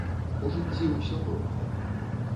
У жыцці ўсё бывае.